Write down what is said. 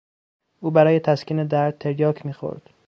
او برای تسکین درد تریاک میخورد.